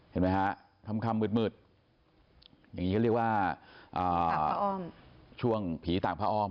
เห็นไหมฮะค่ำมืดอย่างนี้ก็เรียกว่าช่วงผีต่างพระอ้อม